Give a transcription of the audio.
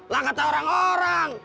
lah kata orang orang